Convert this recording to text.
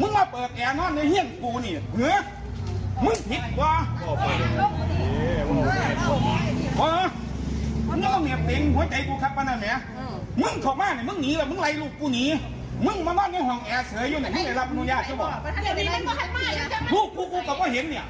มึงมาเปิดแอร์นั่นเหี้ยกูนิเหรอมึงเห็นกูเออมึงเขาบ้านนี่มึงหนีละมึงไหลลูกกูหนีมึงมานั่นกำลังแอร์เสยอยู่นี่มึงเค้ารับอนุญาติก็บอกลูกกูก็เห็นเนี่ย